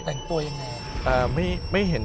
แต่งตัวยังไง